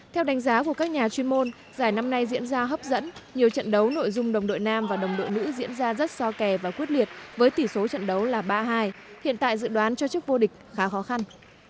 theo đánh giá của các nhà chuyên môn giải năm nay diễn ra hấp dẫn nhiều trận đấu nội dung đồng đội nam và đồng đội nữ diễn ra rất so kè và quyết liệt với tỷ số trận đấu là ba hai hiện tại dự đoán cho chức vô địch khá khó khăn